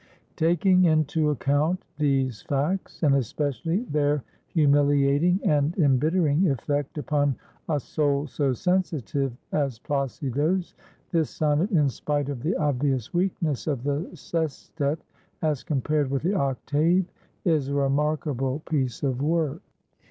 Taking into account these facts, and especially their humiliating and embittering effect upon a soul so sensitive as Plácido's, this sonnet, in spite of the obvious weakness of the sestet as compared with the octave, is a remarkable piece of work.